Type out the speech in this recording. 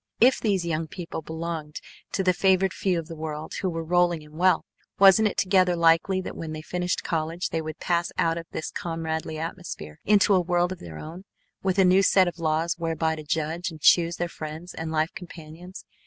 If these young people belonged to the favored few of the world who were rolling in wealth, wasn't it altogether likely that when they finished college they would pass out of this comradely atmosphere into a world of their own, with a new set of laws whereby to judge and choose their friends and life companions?